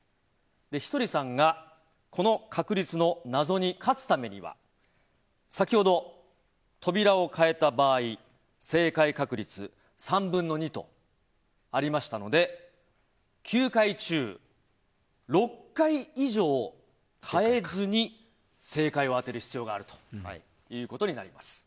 ひとりさんがこの確率の謎に勝つためには先ほど扉を変えた場合正解確率が３分の２とありましたので９回中６回以上変えずに正解を当てる必要があるということになります。